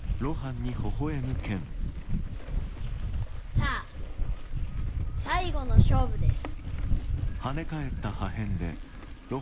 さあ最後の勝負です。